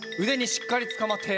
しっかりつかまって。